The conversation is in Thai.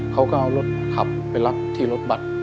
เขาก็เอารถขับไปรับที่รถบัตร